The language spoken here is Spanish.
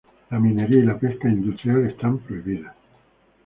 La minería y la pesca industrial están prohibidas.